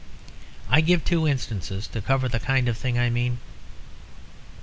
I give two instances to cover the kind of thing I mean.